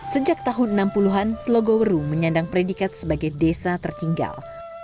sejak tahun enam puluh an telogoweru menyandang predikat sebagai desa tertinggal